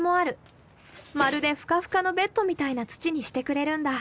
まるでふかふかのベッドみたいな土にしてくれるんだ。